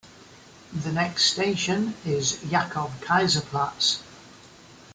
The next station is Jakob-Kaiser-Platz.